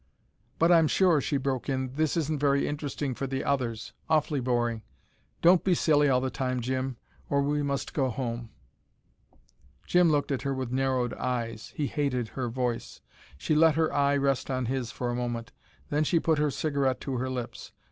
"But I'm sure," she broke in, "this isn't very interesting for the others. Awfully boring! Don't be silly all the time, Jim, or we must go home." Jim looked at her with narrowed eyes. He hated her voice. She let her eye rest on his for a moment. Then she put her cigarette to her lips.